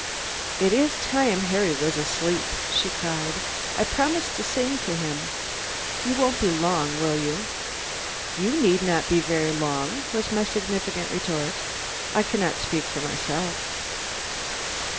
"It is time Harry was asleep," she cried. "I promised to sing to him. You won't be long, will you?" "You need not be very long," was my significant retort. "I can not speak for myself."